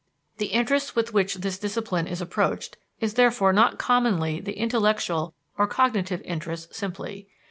The interest with which this discipline is approached is therefore not commonly the intellectual or cognitive interest simply.